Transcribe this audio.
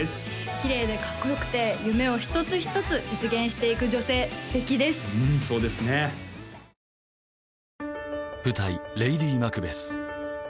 きれいでかっこよくて夢を一つ一つ実現していく女性素敵ですうんそうですねファミマのファミからうまっ！